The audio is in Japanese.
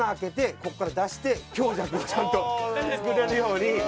ここから出して強弱もちゃんと作れるように。